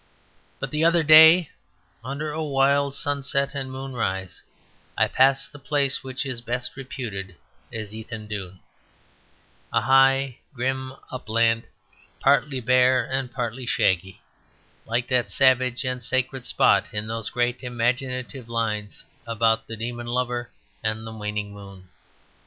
But the other day under a wild sunset and moonrise I passed the place which is best reputed as Ethandune, a high, grim upland, partly bare and partly shaggy; like that savage and sacred spot in those great imaginative lines about the demon lover and the waning moon.